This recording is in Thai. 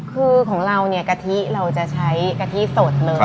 คือของเราเนี่ยกะทิเราจะใช้กะทิสดเลย